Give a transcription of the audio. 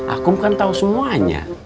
akum kan tau semuanya